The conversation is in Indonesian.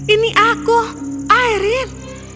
ini aku aireen